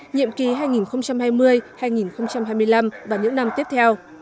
nhiệm kỳ hai nghìn hai mươi hai nghìn hai mươi năm và những năm tiếp theo